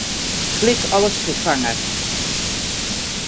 Klik Alles ferfange.